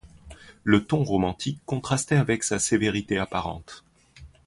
Le ton romantique contrastait avec sa sévérité apparente.